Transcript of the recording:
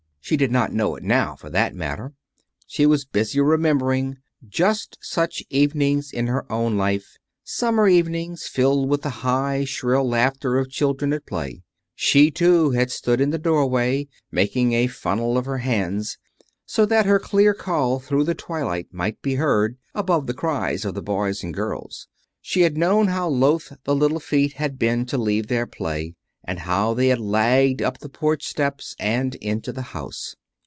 She did not know it now, for that matter. She was busy remembering just such evenings in her own life summer evenings, filled with the high, shrill laughter of children at play. She too, had stood in the doorway, making a funnel of her hands, so that her clear call through the twilight might be heard above the cries of the boys and girls. She had known how loath the little feet had been to leave their play, and how they had lagged up the porch stairs, and into the house.